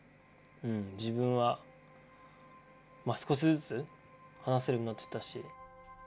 うん自分は少しずつ話せるようになっていったし。